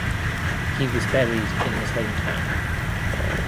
He was buried in his hometown.